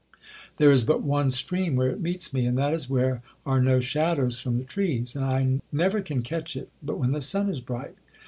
There is but one stream where it meets me, and that is where are no shadows from the trees—and I never can catch it but when the sun is bright.